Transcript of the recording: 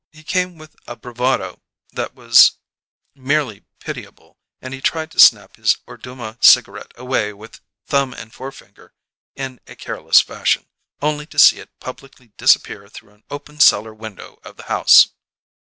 He came with, a bravado that was merely pitiable and he tried to snap his Orduma cigarette away with thumb and forefinger in a careless fashion, only to see it publicly disappear through an open cellar window of the house.